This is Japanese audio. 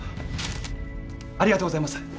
ありがとうございます。